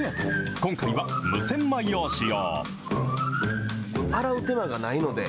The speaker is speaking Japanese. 今回は無洗米を使用。